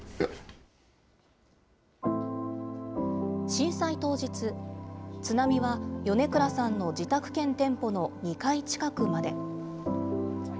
震災当日、津波は米倉さんの自宅兼店舗の２階近くまで。